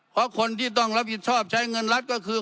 เพราะคนที่ต้องรับผิดชอบใช้เงินรัฐก็คือ